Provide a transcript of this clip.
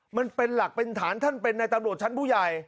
มันเป็นหลักเป็นฐานท่านเป็นในตำรวจชั้นผู้ใหญ่